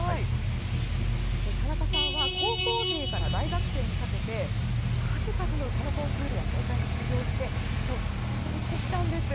田中さんは高校生から大学生にかけて数々の歌のコンクールや大会に出場して賞を総なめにしてきたんです。